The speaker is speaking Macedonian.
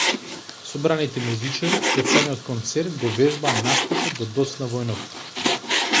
Собраните музичари пред самиот концерт го вежбаа настапот до доцна во ноќта.